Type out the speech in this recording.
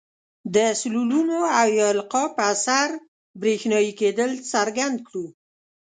د سولولو او یا القاء په اثر برېښنايي کیدل څرګند کړو.